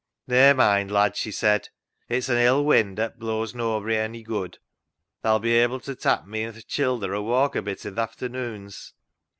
" Ne'er mind, lad," she said, " it's an ill wind 'at blows noabry ony good. Tha'll be able ta tak' me an th' childer a walk a bit i' th' afternoons."